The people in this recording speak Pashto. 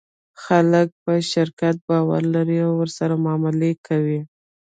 خلک په شرکت باور لري او ورسره معامله کوي.